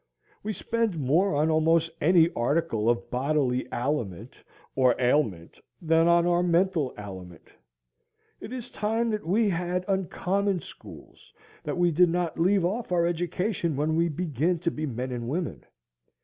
We spend more on almost any article of bodily aliment or ailment than on our mental aliment. It is time that we had uncommon schools, that we did not leave off our education when we begin to be men and women.